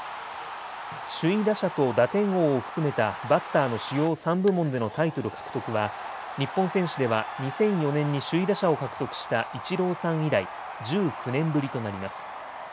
首位打者と打点王を含めたバッターの主要３部門でのタイトル獲得は日本選手では２００４年に首位打者を獲得したイチローさん以来１９年ぶりとなります。